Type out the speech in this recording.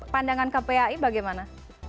pandangan kpai bagaimana